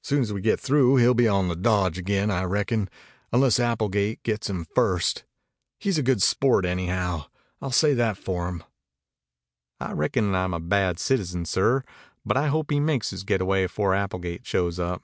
Soon as we get through he'll be on the dodge again, I reckon, unless Applegate gets him first. He's a good sport, anyhow. I'll say that for him." "I reckon I'm a bad citizen, sir, but I hope he makes his getaway before Applegate shows up."